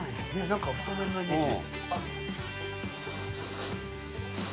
何か太麺のイメージ。